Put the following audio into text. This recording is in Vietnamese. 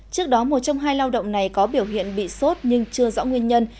trước đó một trong hai lao động này có biểu hiện bị sốt nhưng chưa rõ nguyên nhân